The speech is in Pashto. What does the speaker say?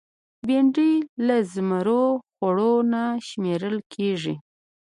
بېنډۍ له زمرو خوړو نه شمېرل کېږي